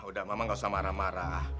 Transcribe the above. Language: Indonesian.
udah mama gak usah marah marah